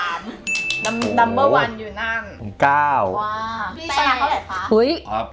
พี่ชาวเท่าไหร่คะแปด